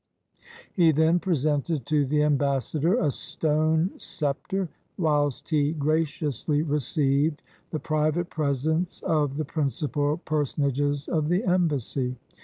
He then presented to the ambassador a stone scepter, whilst he graciously received the private presents of the principal person ages of the embassy.